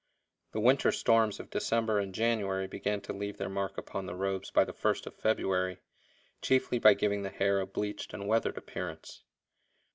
The winter storms of December and January began to leave their mark upon the robes by the 1st of February, chiefly by giving the hair a bleached and weathered appearance.